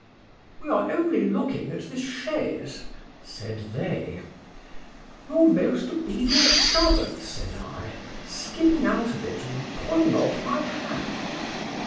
— We are only looking at this chaise, said they.—Your most obedient servant, said I, skipping out of it, and pulling off my hat.